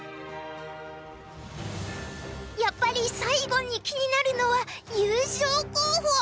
やっぱり最後に気になるのは優勝候補。